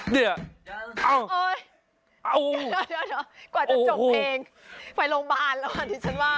เดี๋ยวกว่าจะจบเพลงไปโรงพยาบาลแล้วค่ะดิฉันว่า